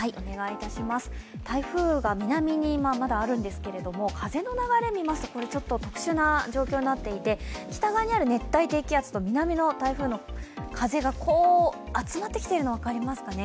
台風が南にまだあるんですけれども、風の流れを見ますと特殊な状況になっていて北側にある熱帯低気圧と南の台風の風が集まってきているのが分かりますかね。